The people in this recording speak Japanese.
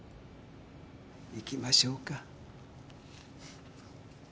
行きましょうか。